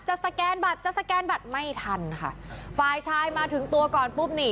สแกนบัตรจะสแกนบัตรไม่ทันค่ะฝ่ายชายมาถึงตัวก่อนปุ๊บนี่